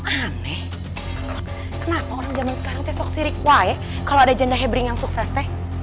aneh kenapa orang jaman sekarang teh sok sirik wah ya kalau ada janda hebring yang sukses teh